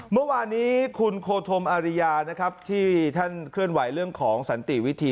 เมื่อวานนี้คุณโคธมอาริยานะครับที่ท่านเคลื่อนไหวเรื่องของสันติวิธี